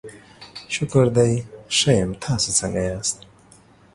شکر دی، ښه یم، تاسو څنګه یاست؟